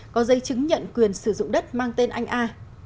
có dây chứng nhận quyền sử dụng đất mang tên anh a